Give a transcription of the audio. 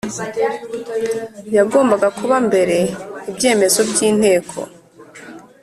yagombaga kuba mbere Ibyemezo by Inteko